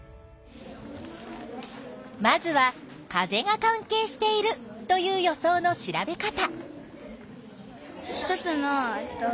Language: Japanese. まずは風が関係しているという予想の調べ方。